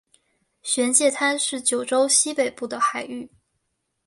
玄界滩是九州西北部的海域。